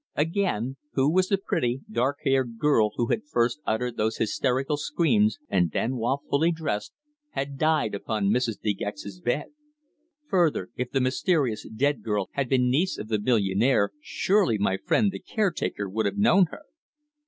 Again, who was the pretty, dark haired girl who had first uttered those hysterical screams, and then, while fully dressed, had died upon Mrs. De Gex's bed? Further, if the mysterious dead girl had been niece of the millionaire surely my friend the caretaker would have known her?